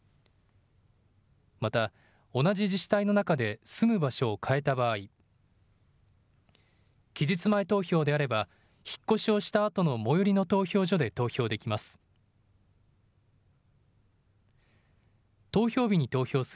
また同じ自治体の中で住む場所を変えた場合、期日前投票であれば引っ越しをしたあとの最寄りの投票所で投票できます。